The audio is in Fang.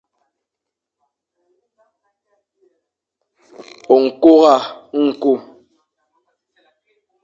Nkura nku.